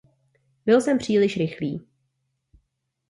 Byl jsem příliš rychlý.